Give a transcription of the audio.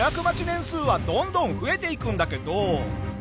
年数はどんどん増えていくんだけど。